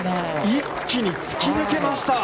一気につき抜けました。